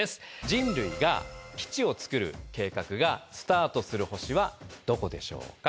人類が基地を作る計画がスタートする星はどこでしょうか？